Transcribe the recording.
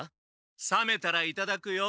冷めたらいただくよ。